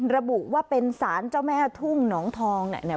ระบุว่าเป็นสารเจ้าแม่ทุ่งหนองทองเนี่ย